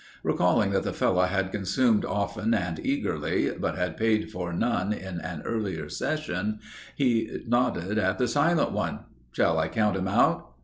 Recalling that the fellow had consumed often and eagerly but had paid for none in an earlier session, he nodded at the silent one: "Shall I count him out?"